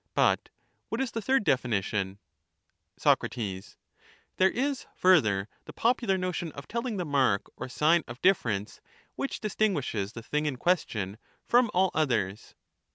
But what is the third definition ? Soc* There is, further, the popular notion of telling the (3)/rrae mark or sign of difference which distinguishes the thing in ^^^^\ question from all others.